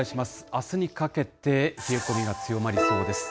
あすにかけて冷え込みが強まりそうです。